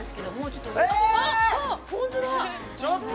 ちょっと！